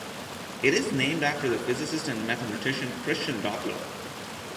It is named after the physicist and mathematician Christian Doppler.